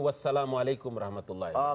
wassalamualaikum warahmatullahi wabarakatuh